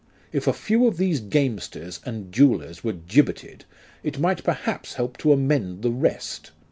If a few of these gamesters and duellers were gibbeted, it might perhaps help to amend the rest.